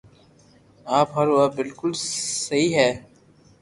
آپ ھارو آ بلڪول سھھي ھي